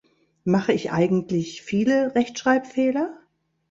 Mache ich eigentlich viele Rechtschreibfehler?